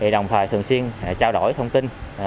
đồng thời thường xuyên trao đổi thông tin